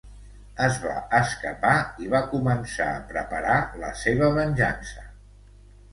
Es va escapar i va començar a preparar la seva venjança.